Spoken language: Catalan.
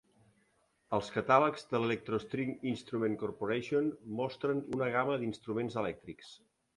Els catàlegs de l'Electro String Instrument Corporation mostren una gamma d'instruments elèctrics.